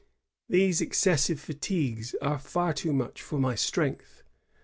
These excessive fatigues are far too much for my strength.